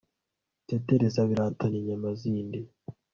Rutetereza abiratana inyama zindi